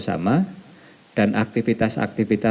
p tru di beberapa negara